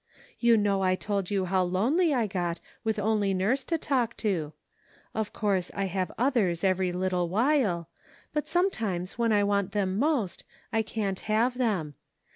You know I told you how lonely I got with only nurse to talk to. Of course I have others every little while, but times when I want them most I can't have them.